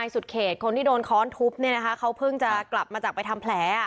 สุดเขตคนที่โค้๋งทุบเพิ่งกลับกินกลับมาจากมีแผล